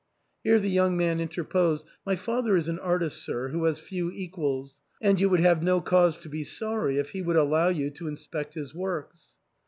Here the young man inter posed, '* My father is an artist, sir, who has few equals 5 and you would have no cause to be sorry if he would allow you to inspect his works."